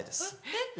・えっ？